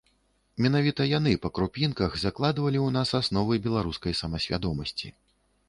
Менавіта яны па крупінках закладвалі ў нас асновы беларускай самасвядомасці.